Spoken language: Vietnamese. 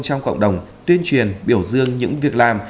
trong cộng đồng tuyên truyền biểu dương những việc làm